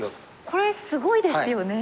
これすごいですよね。